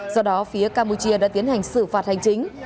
do đó phía campuchia đã tiến hành xử phạt hành chính